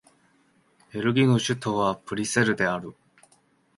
ベルギーの首都はブリュッセルである